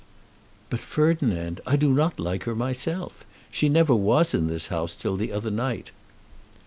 "But, Ferdinand, I do not like her myself. She never was in this house till the other night."